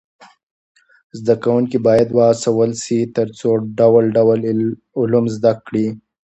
زده کوونکي باید و هڅول سي تر څو ډول ډول علوم زده کړي.